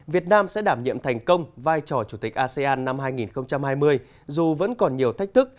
việt nam sẽ đảm nhiệm thành công vai trò chủ tịch asean năm hai nghìn hai mươi dù vẫn còn nhiều thách thức